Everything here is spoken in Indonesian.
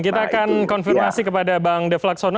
kita akan konfirmasi kepada bang dev laksono